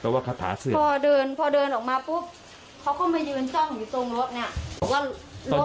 แต่ว่าคาถาเสร็จพอเดินพอเดินออกมาปุ๊บเขาก็มายืนจ้องอยู่ตรงรถเนี่ย